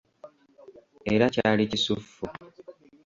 Era kyali kisuffu!